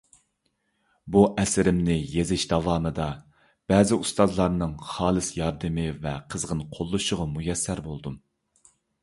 بۇ ئەسىرىمنى يېزىش داۋامىدا بەزى ئۇستازلارنىڭ خالىس ياردىمى ۋە قىزغىن قوللىشىغا مۇيەسسەر بولدۇم.